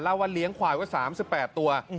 เล่าว่าเลี้ยงควายกว่า๓๘ตัว